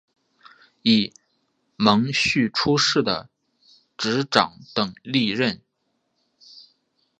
以荫叙出仕的直长等历任。